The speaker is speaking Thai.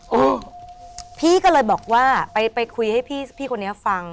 โอ้โหพี่ก็เลยบอกว่าไปไปคุยให้พี่คนนี้ฟัง